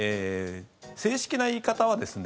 正式な言い方はですね